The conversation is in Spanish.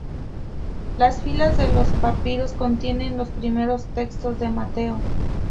Las filas de los papiros contienen los primeros textos de Mateo.